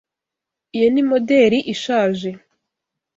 Iyo ni moderi ishaje.